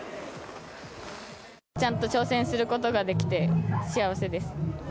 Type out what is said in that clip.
ちゃんと挑戦することができて、幸せです。